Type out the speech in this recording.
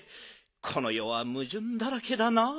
このよはむじゅんだらけだなあ。